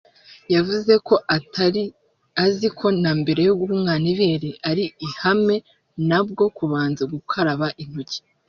yavuze ko atari azi ko na mbere yo guha umwana ibere ari ihame nabwo kubanza gukaraba intoki